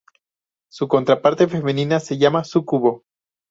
Su contraparte femenina se llama súcubo.